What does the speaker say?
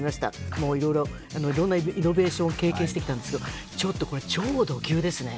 もういろいろイノベーションを経験してきたんですがちょっとこれ、超ド級ですね。